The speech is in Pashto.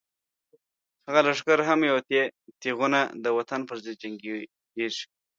هم لښکر هم یی تیغونه، د وطن پر ضد جنگیږی